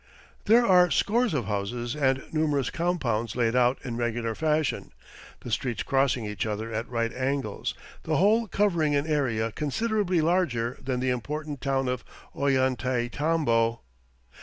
There are scores of houses and numerous compounds laid out in regular fashion, the streets crossing each other at right angles, the whole covering an area considerably larger than the important town of Ollantaytambo.